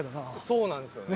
そうなんですよね。